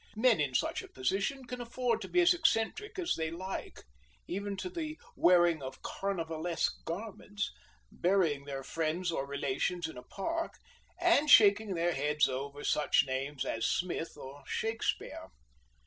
Men in such a position can afford to be as eccentric as they like, even to the wearing of Carnivalesque garments, burying their friends or relations in a park, and shaking their heads over such names as Smith or Shakespeare.